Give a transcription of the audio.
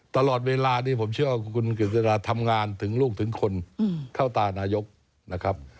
ตลอดเวลานี้ผมเชื่อว่าคุณกฤษฎาทำงานถึงลูกถึงคนเข้าตานายกนะครับ